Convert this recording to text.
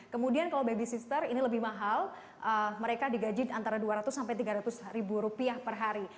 kemudian kalau babysitter ini lebih mahal mereka digaji antara dua ratus sampai tiga ratus ribu rupiah per hari